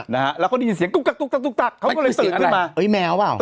นะฮะแล้วก็ได้ยินเสียงตุ๊กกักตุ๊ตตักตุ๊กตักเขาก็เลยตื่นขึ้นมาเอ้ยแมวเปล่า